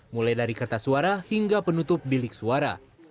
mulai dari kertas suara hingga penutup bilik suara